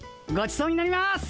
ごちそうになります。